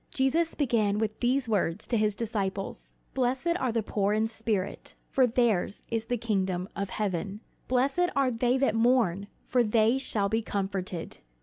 Jesus began with these words to his disciples: "Blessed are the poor in spirit: for theirs is the kingdom of heaven. "Blessed are they that mourn: for they shall be comforted.